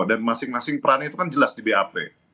dan masing masing perannya itu kan jelas di bap